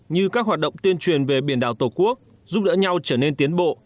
như các hoạt động tuyên truyền về biển đảo tổ quốc giúp đỡ nhau trở nên tiến bộ